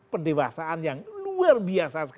pendewasaan yang luar biasa